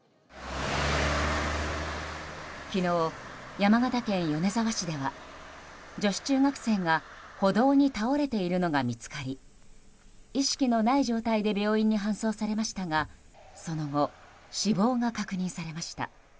昨日、山形県米沢市では女子中学生が歩道に倒れているのが見つかり意識のない状態で病院に搬送されましたがその後、死亡が確認されました。